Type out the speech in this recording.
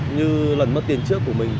như lần mất tiền trước của mình